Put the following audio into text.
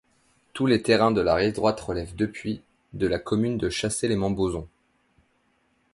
Tous les terrains de la rive droite relèvent depuis, de la commune de Chassey-lès-Montbozon.